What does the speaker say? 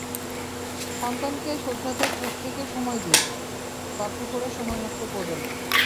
সন্তানকে শোধরাতে চুপ থেকে সময় দিন, তর্ক করে সময় নষ্ট করবেন না।